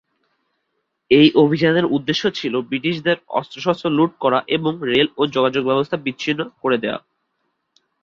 এই অভিযানের উদ্দেশ্য ছিলো ব্রিটিশদের অস্ত্রশস্ত্র লুট করা এবং রেল ও যোগাযোগ ব্যবস্থা বিচ্ছিন্ন করে দেয়া।